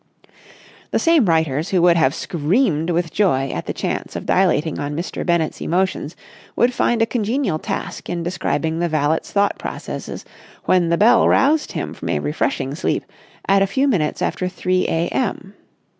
The same writers who would have screamed with joy at the chance of dilating on Mr. Bennett's emotions would find a congenial task in describing the valet's thought processes when the bell roused him from a refreshing sleep at a few minutes after three a.m.